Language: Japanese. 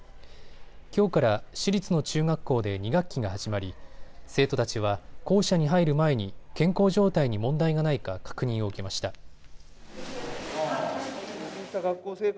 きょうから市立の中学校で２学期が始まり生徒たちは校舎に入る前に健康状態に問題がないか確認を受けました。